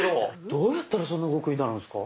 どうやったらそんな動くようになるんですか？